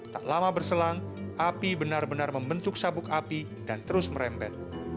tak lama berselang api benar benar membentuk sabuk api dan terus merembet